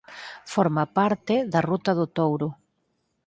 Forma parte da Ruta do Touro.